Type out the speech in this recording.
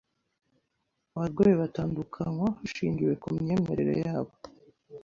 abarwayi batandukanywa hashingiwe ku myemerere yabo